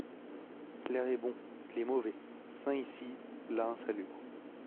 L'air est bon, il est mauvais ; sain ici, là insalubre.